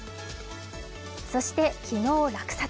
そして昨日落札。